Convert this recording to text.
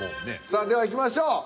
さあではいきましょう。